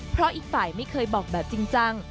เพราะอีกฝ่ายไม่เคยบอกแบบจริงจัง